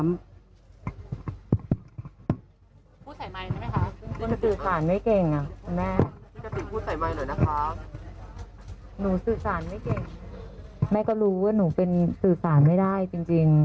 คุณสื่อสารไม่เก่งอะคุณแม่หนูสื่อสารไม่เก่งแม่ก็รู้ว่าหนูเป็นสื่อสารไม่ได้จริง